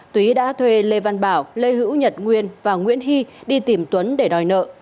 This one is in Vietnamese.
tú đã thuê lê văn bảo lê hữu nhật nguyên và nguyễn hy đi tìm tuấn để đòi nợ